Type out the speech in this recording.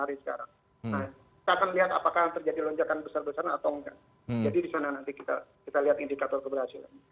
nah kita akan lihat apakah terjadi lonjakan besar besaran atau enggak jadi di sana nanti kita lihat indikator keberhasilan